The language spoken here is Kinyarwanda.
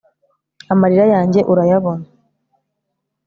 amarira yange urayabona